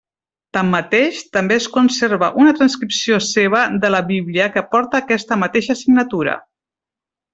Tanmateix, també es conserva una transcripció seva de la Bíblia que porta aquesta mateixa signatura.